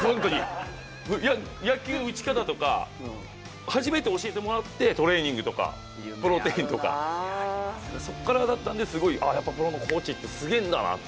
野球、打ち方とか初めて教えてもらって、トレーニングとかプロテインとかそこからだったのでやっぱりプロのコーチってすげえんだなって。